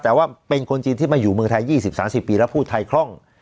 แต่ว่าเป็นคนจีนที่มาอยู่เมืองไทย๒๐๓๐ปีแล้วพูดไทยคล่อง